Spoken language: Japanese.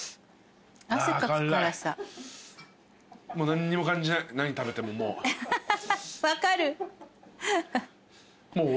何食べてももう。